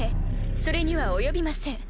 それには及びません。